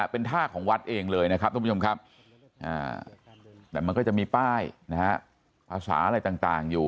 เป็นท่าของวัดเองเลยนะครับแต่มันก็จะมีป้ายภาษาอะไรต่างอยู่